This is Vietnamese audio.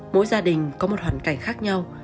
mỗi gia đình có một hoàn cảnh khác nhau